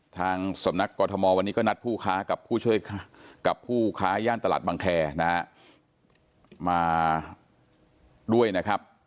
ทางสำนักกรทมวันนี้ก็นัดผู้ค้ากับผู้ช่วยกับผู้ค้าย่านตลาดบังแคร์นะฮะมาด้วยนะครับ